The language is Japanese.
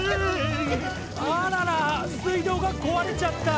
あらら水道がこわれちゃった。